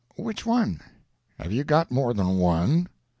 "Which one?" "Have you got more than one?"